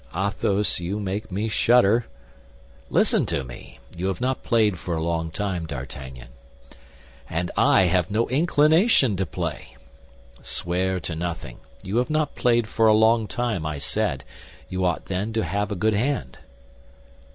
"Athos, you make me shudder." "Listen to me. You have not played for a long time, D'Artagnan." "And I have no inclination to play." "Swear to nothing. You have not played for a long time, I said; you ought, then, to have a good hand."